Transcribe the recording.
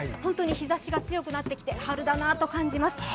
日ざしが強くなってきて春だなと感じます。